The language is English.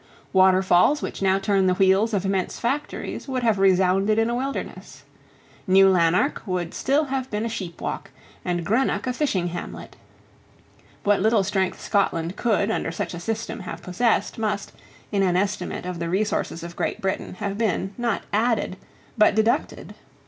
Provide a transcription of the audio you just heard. Waterfalls which now turn the wheels of immense factories would have resounded in a wilderness. New Lanark would still have been a sheepwalk, and Greenock a fishing hamlet. What little strength Scotland could under such a system have possessed must, in an estimate of the resources of Great Britain, have been, not added, but deducted.